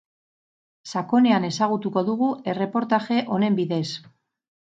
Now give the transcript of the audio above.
Sakonean ezagutuko dugu erreportaje honen bidez.